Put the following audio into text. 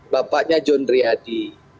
bapaknya john riadi